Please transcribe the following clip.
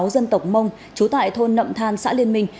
dân tộc mông chú tại thôn nậm than xã liên minh